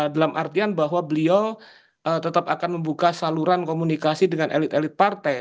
dalam artian bahwa beliau tetap akan membuka saluran komunikasi dengan elit elit partai